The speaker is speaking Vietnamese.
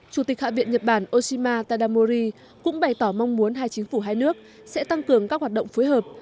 chủ tịch hạ viện nhật bản oshima tadamori cũng bày tỏ mong muốn hai chính phủ hai nước sẽ tăng cường các hoạt động phối hợp